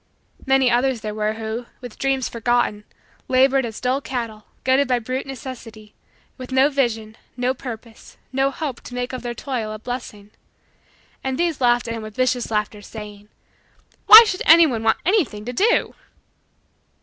Many others there were who, with dreams forgotten, labored as dull cattle, goaded by brute necessity, with no vision, no purpose, no hope, to make of their toil a blessing. And these laughed at him with vicious laughter, saying: "Why should anyone want anything to do?"